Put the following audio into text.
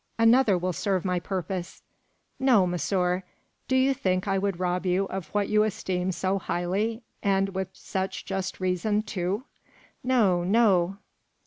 Another will serve my purpose." "No, monsieur. Do you think I could rob you of what you esteem so highly, and with such just reason, too? No, no!